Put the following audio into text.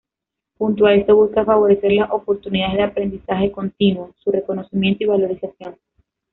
Junto a esto, busca favorecer las oportunidades de aprendizaje continuo, su reconocimiento y valorización.